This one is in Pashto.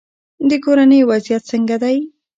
د کورنۍ وضعیت څنګه دی؟